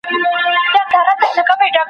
ور نیژدې یوه جاله سوه په څپو کي